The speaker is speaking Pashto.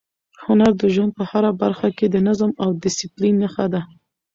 هنر د ژوند په هره برخه کې د نظم او ډیسپلین نښه ده.